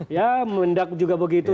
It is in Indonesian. ya mendak juga begitu